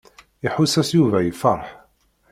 Iḥuss-as Yuba yefṛeḥ.